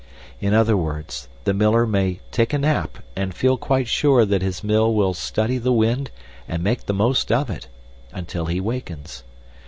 In other words, the miller may take a nap and feel quite sure that his mill will study the wind and make the most of it, until he wakens.